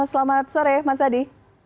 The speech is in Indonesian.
selamat sore mas adi